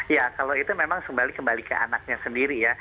ya kalau itu memang kembali ke anaknya sendiri ya